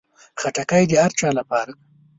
خټکی د هر چا لپاره ده.